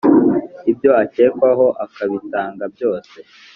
ibyo akekwaho, akabitanga byose